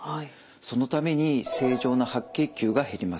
そのために正常な白血球が減ります。